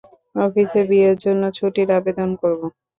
অফিসে বিয়ের জন্য ছুটির আবেদন করবো।